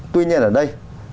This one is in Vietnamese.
tuy nhiên ở đây